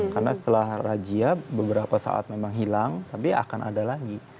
karena setelah rajia beberapa saat memang hilang tapi akan ada lagi